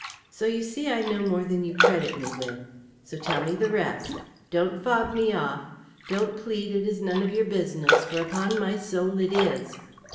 So you see I know more than you credit me with. So tell me the rest! Don't fob me off. Don't plead it is none of your business, for, upon my soul, it is."